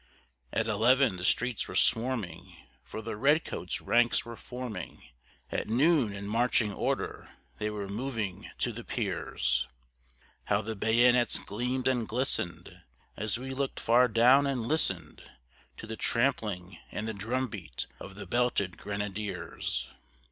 At eleven the streets were swarming, for the redcoats' ranks were forming; At noon in marching order they were moving to the piers; How the bayonets gleamed and glistened, as we looked far down, and listened To the trampling and the drum beat of the belted grenadiers!